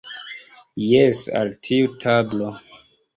Jes, al tiu tablo.